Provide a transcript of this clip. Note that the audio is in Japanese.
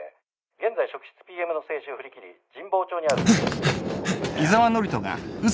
現在職質ＰＭの制止を振り切り神保町にある。